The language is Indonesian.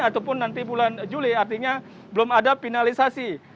ataupun nanti bulan juli artinya belum ada finalisasi